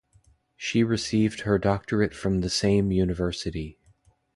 She received her doctorate from the same university.